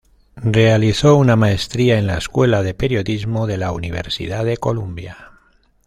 Realizó una maestría en la Escuela de Periodismo de la Universidad de Columbia.